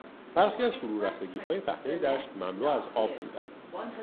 برخی از فرورفتگیهای پهنهی دشت مملو از آب بودند.